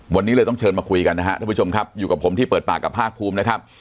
วันนี้เลยต้องเชิญมาคุยกันนะครับทุกผู้ชมครับอยู่กับผมที่เปิดปากกับภาคภูมินะครับ